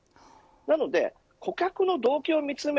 なので顧客の動機を見つめ